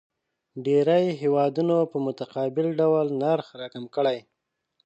ډېری هیوادونه په متقابل ډول نرخ راکم کړي.